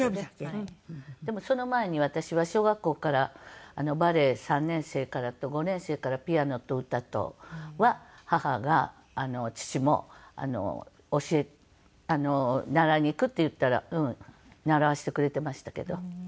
でもその前に私は小学校からバレエ３年生からと５年生からピアノと歌とは母が父も習いに行くって言ったら習わせてくれていましたけど。